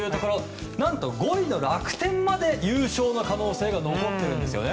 何と５位の楽天まで優勝の可能性が残ってるんですよね。